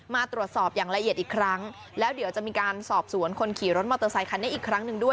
มาตรวจสอบอย่างละเอียดอีกครั้งแล้วเดี๋ยวจะมีการสอบสวนคนขี่รถมอเตอร์ไซคันนี้อีกครั้งหนึ่งด้วย